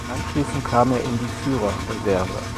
Anschließend kam er in die Führerreserve.